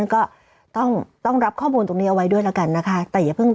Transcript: ก็ต้องต้องรับข้อมูลตรงนี้เอาไว้ด้วยแล้วกันนะคะแต่อย่าเพิ่ง